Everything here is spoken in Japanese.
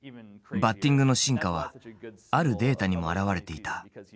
バッティングの進化はあるデータにも表れていた。